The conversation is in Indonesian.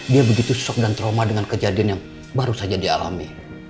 dia begitu shock dan trauma dengan kejadian yang baru saja dialami